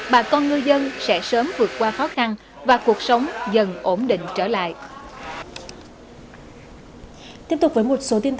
bà con ngư dân sẽ sớm vượt qua phát triển